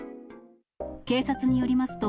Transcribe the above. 警察によりますと、